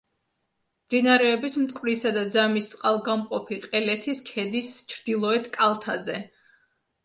მდინარეების მტკვრისა და ძამის წყალგამყოფი ყელეთის ქედის ჩრდილოეთ კალთაზე.